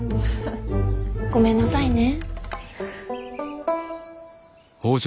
ごめんなさいね。